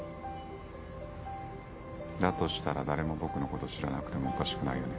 だとしたら誰も僕の事を知らなくてもおかしくないよね。